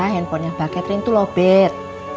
handphone yang mbak catherine tuh lobet